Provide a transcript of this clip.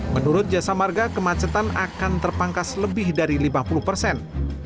menurut jasa marga kemacetan akan terpangkas lebih dari lima puluh persen